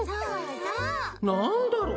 ぴい：なんだろう。